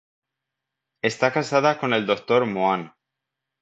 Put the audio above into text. Está casada con el Dr. Mohan.